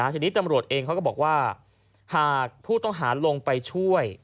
ทีนี้ตำรวจเองเขาก็บอกว่าหากผู้ต้องหาลงไปช่วย